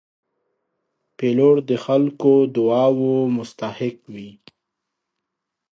پیلوټ د خلکو د دعاو مستحق وي.